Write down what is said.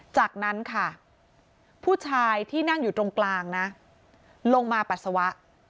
จากนั้นค่ะผู้ชายที่นั่งอยู่ตรงกลางนะลงมาปัสสาวะ